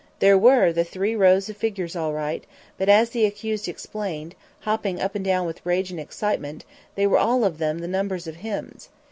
There were the three rows of figures all right, but, as the accused explained, hopping up and down with rage and excitement, they were all of them the numbers of hymns.